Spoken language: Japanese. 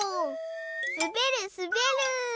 すべるすべる！